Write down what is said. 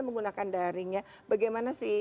menggunakan daringnya bagaimana si